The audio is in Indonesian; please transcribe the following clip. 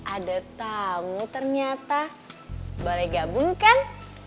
ada tamu ternyata boleh gabung kan